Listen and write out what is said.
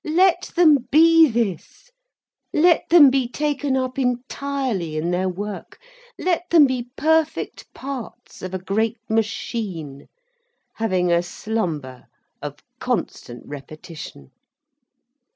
Let them be this, let them be taken up entirely in their work, let them be perfect parts of a great machine, having a slumber of constant repetition.